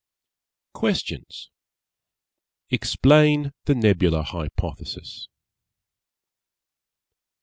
QUESTIONS _Explain the Nebular Hypothesis.